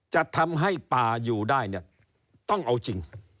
จะทำให้ป่าอยู่ได้เนี่ยต้องเอาจริง